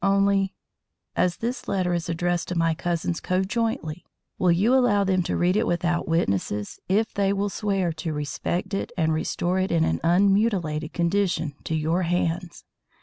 Only, as this letter is addressed to my cousins conjointly, will you allow them to read it without witnesses if they will swear to respect it and restore it in an un mutilated condition to your hands?